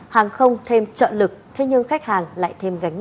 hàng không thêm chọn lực thế nhưng khách hàng lại thêm gánh nặng